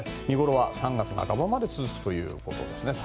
見頃は３月中頃まで続くということです。